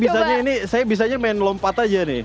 saya bisanya main lompat aja nih